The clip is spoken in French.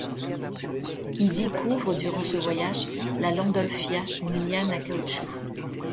Il découvre durant ce voyage la Landolphia, une liane à caoutchouc.